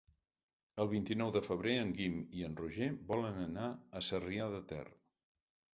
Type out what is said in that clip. El vint-i-nou de febrer en Guim i en Roger volen anar a Sarrià de Ter.